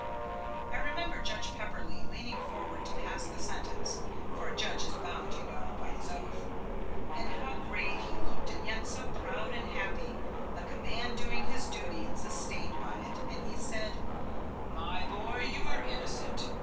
I remember Judge Pepperleigh leaning forward to pass the sentence, for a judge is bound, you know, by his oath, and how grave he looked and yet so proud and happy, like a man doing his duty and sustained by it, and he said: "My boy, you are innocent.